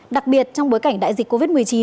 đặc biệt trong bối cảnh đại dịch covid một mươi chín